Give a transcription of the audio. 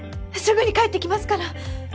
すぐに帰ってきますから。